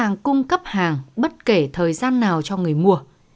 họ cũng cung cấp hàng bất kể thời gian nào cho người mua